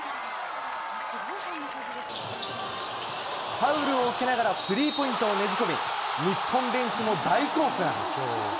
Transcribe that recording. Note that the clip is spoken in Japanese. ファウルを受けながらスリーポイントをねじ込み、日本ベンチも大興奮。